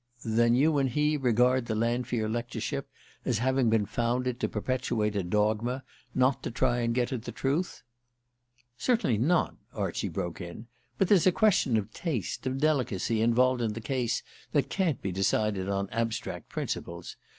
"Then you and he regard the Lanfear lectureship as having been founded to perpetuate a dogma, not to try and get at the truth?" "Certainly not," Archie broke in. "But there's a question of taste, of delicacy, involved in the case that can't be decided on abstract principles.